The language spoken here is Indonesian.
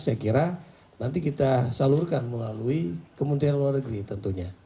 saya kira nanti kita salurkan melalui kementerian luar negeri tentunya